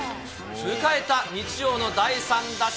迎えた日曜の第３打席。